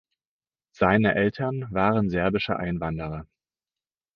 Seine Eltern waren serbische Einwanderer.